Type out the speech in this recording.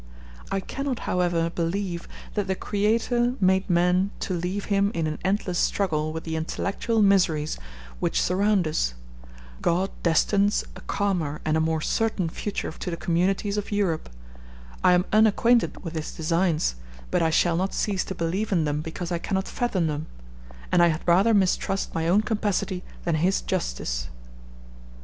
I cannot, however, believe that the Creator made man to leave him in an endless struggle with the intellectual miseries which surround us: God destines a calmer and a more certain future to the communities of Europe; I am unacquainted with His designs, but I shall not cease to believe in them because I cannot fathom them, and I had rather mistrust my own capacity than His justice.